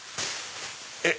えっ？